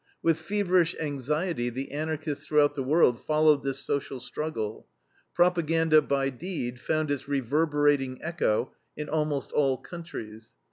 With feverish anxiety the Anarchists throughout the world followed this social struggle. Propaganda by deed found its reverberating echo in almost all countries.